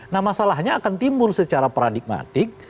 nah masalahnya akan timbul secara paradigmatik